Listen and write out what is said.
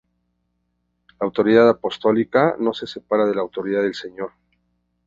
La "autoridad apostólica" no se separa de la autoridad del Señor.